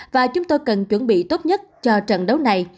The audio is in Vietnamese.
và chúng tôi cần chuẩn bị tốt nhất cho trận đấu này